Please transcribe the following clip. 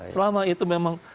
selama itu memang